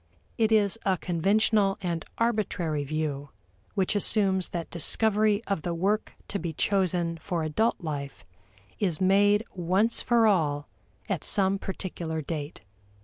It is a conventional and arbitrary view which assumes that discovery of the work to be chosen for adult life is made once for all at some particular date.